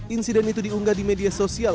insiden itu diunggah di media sosial